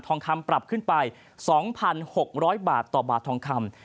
ทองคำปรับขึ้นไป๒๖๐๐บาทต่อบาททองคำ